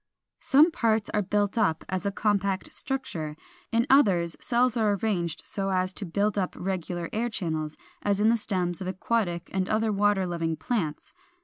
405. Some parts are built up as a compact structure; in others cells are arranged so as to build up regular air channels, as in the stems of aquatic and other water loving plants (Fig.